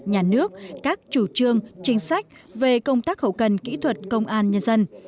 nhà nước các chủ trương chính sách về công tác hậu cần kỹ thuật công an nhân dân